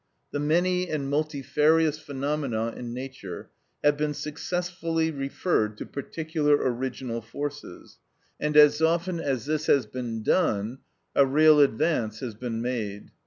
The many and multifarious phenomena in nature have been successfully referred to particular original forces, and as often as this has been done, a real advance has been made.